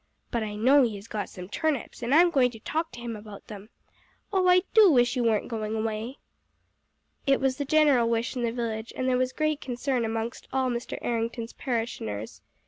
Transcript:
But I know he has got some turnips, and I'm going to talk to him about them. Oh, I do wish you weren't going away!" It was the general wish in the village, and there was great concern amongst all Mr. Errington's parishioners.